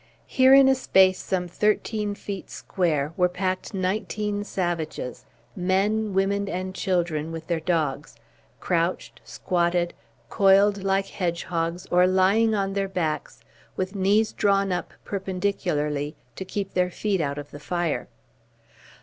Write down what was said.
Here, in a space some thirteen feet square, were packed nineteen savages, men, women, and children, with their dogs, crouched, squatted, coiled like hedgehogs, or lying on their backs, with knees drawn up perpendicularly to keep their feet out of the fire.